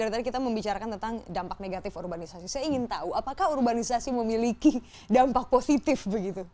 dari tadi kita membicarakan tentang dampak negatif urbanisasi saya ingin tahu apakah urbanisasi memiliki dampak positif begitu